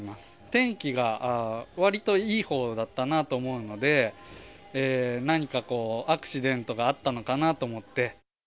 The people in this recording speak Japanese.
天気がわりといいほうだったなと思うので、何かアクシデントがあったのかなと思って。